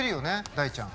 大ちゃん。